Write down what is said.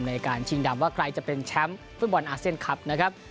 ในการชิงดำว่าใครจะเป็นแชมป์ฟุตบอลอาเซียนคลับนะครับ